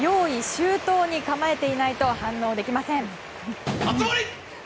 周到に構えていないと反応できません。